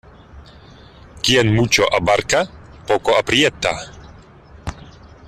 Quien mucho abarca, poco aprieta.